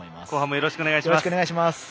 後半もよろしくお願いします。